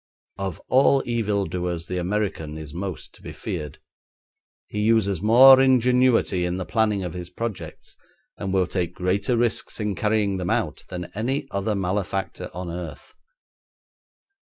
Of all evil doers the American is most to be feared; he uses more ingenuity in the planning of his projects, and will take greater risks in carrying them out than any other malefactor on earth.